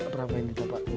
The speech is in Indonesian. berapa ini pak